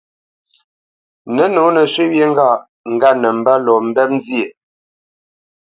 Nə̌nǒ nə shwé wyê ŋgâʼ ŋgât nə mbə́ lɔ mbɛ́p nzyêʼ.